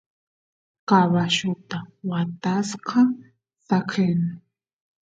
caballuta watasqa saqen